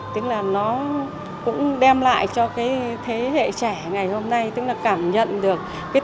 tính là nó cũng đem lại cho thế hệ trẻ ngày hôm nay tính là cảm nhận được tình yêu sâu sắc